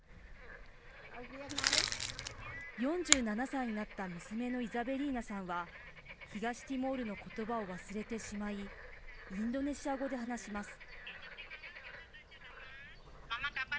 ４７歳になった娘のイザベリーナさんは東ティモールのことばを忘れてしまいインドネシア語で話します。